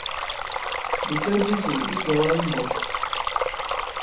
Bikek bisò bi kɛ̀wà i mbɔk.